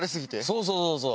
そうそうそうそう。